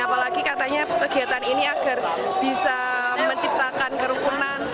apalagi katanya kegiatan ini agar bisa menciptakan kerukunan